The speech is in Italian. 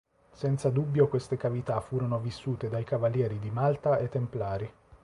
Senza dubbio queste cavità furono vissute dai Cavalieri di Malta e Templari.